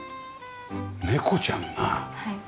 猫ちゃんが。